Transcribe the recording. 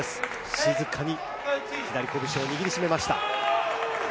静かに左こぶしを握りしめました。